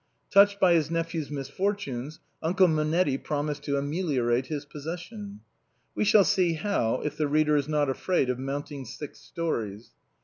Touched by his nephew's misfortunes. Uncle Mo netti promised to ameliorate his position. We shall see how, if the reader is not afraid of mounting six stories.